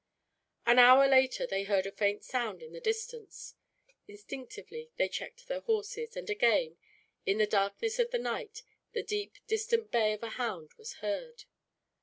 An hour later, they heard a faint sound in the distance. Instinctively they checked their horses, and again, in the darkness of the night, the deep distant bay of a hound was heard.